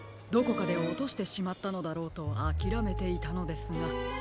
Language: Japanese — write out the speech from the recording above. どこかでおとしてしまったのだろうとあきらめていたのですが。